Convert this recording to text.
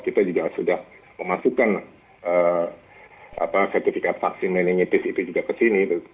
kita juga sudah memasukkan sertifikat vaksin meningitis itu juga ke sini